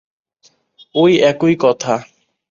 ঐ একই কথা।